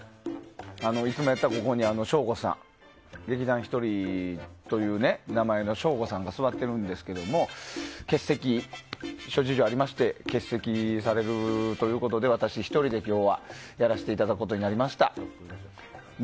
いつもやったらここに省吾さん劇団ひとりという名前の省吾さんが座ってるんですけども諸事情ありまして欠席されるということで私１人で今日はやらせていただくことになりました。